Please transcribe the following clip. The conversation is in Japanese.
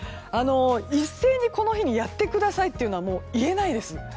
一斉にこの日にやってくださいとはいえないです。